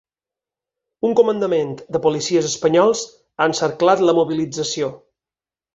Un comandament de policies espanyols ha encerclat la mobilització.